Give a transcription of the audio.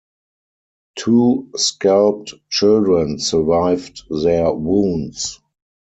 Two scalped children survived their wounds.